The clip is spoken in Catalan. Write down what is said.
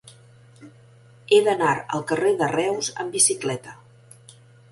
He d'anar al carrer de Reus amb bicicleta.